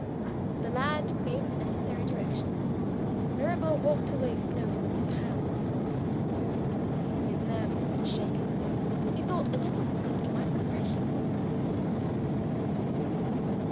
The lad gave the necessary directions. Mirabel walked away slowly, with his hands in his pockets. His nerves had been shaken; he thought a little fruit might refresh him.